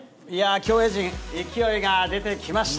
競泳陣、勢いが出てきました。